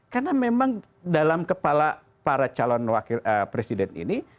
karena memang dalam kepala para calon wakil presiden ini